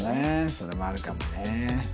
それもあるかもね。